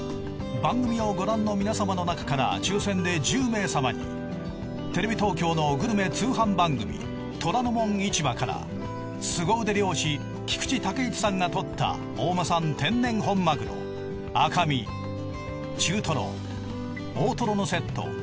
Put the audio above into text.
番組をご覧の皆様の中から抽選で１０名様にテレビ東京のグルメ通販番組『虎ノ門市場』からスゴ腕漁師菊池武一さんが獲った大間産天然本マグロ赤身中トロ大トロのセット